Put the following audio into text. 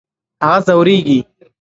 هغه ځورېدی .